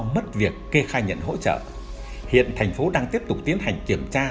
mất việc kê khai nhận hỗ trợ hiện thành phố đang tiếp tục tiến hành kiểm tra